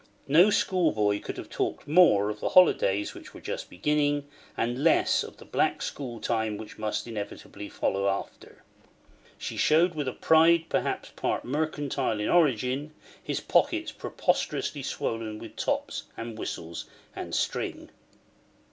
No schoolboy could have talked more of the holidays which were just beginning and less of the black school time which must inevitably follow after. She showed, with a pride perhaps partly mercantile in origin, his pockets preposterously swollen with tops and whistles and string.